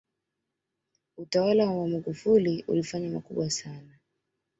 utawala wa Magufuli ulifanya makubwa sana